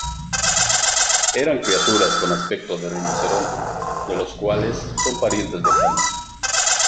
Eran criaturas con aspecto de rinoceronte, de los cuales son parientes lejanos.